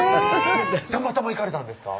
たまたま行かれたんですか？